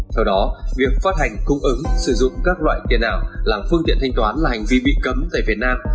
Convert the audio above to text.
theo đó việc phát hành cung ứng sử dụng các loại tiền ảo làm phương tiện thanh toán là hành vi bị cấm tại việt nam